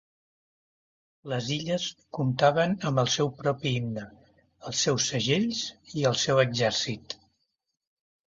Les illes comptaven amb el seu propi himne, els seus segells i el seu exèrcit.